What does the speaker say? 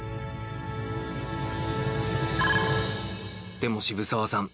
でも渋沢さん